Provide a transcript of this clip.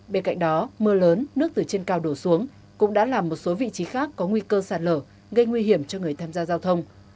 bên cạnh đó mưa lớn nước từ trên cao đổ xuống cũng đã làm một số vị trí khác có nguy cơ sạt lở gây nguy hiểm cho người tham gia giao thông